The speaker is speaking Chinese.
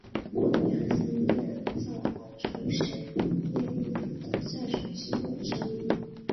养心殿造办处是内务府的下属机构之一。